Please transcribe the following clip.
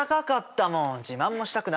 自慢もしたくなるよ。